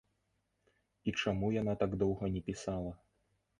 І чаму яна так доўга не пісала?